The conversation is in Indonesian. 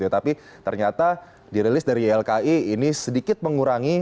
tapi ternyata dirilis dari ylki ini sedikit mengurangi